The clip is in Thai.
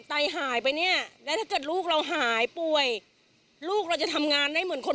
ใต้หายไปเนี่ยลูกเราหายป่วยลูกเราจะทำงานได้เหมือน